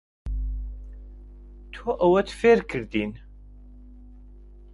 تۆ ئەوەت فێر کردین.